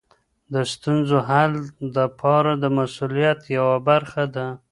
د ستونزو حل د پلار د مسؤلیت یوه برخه ده.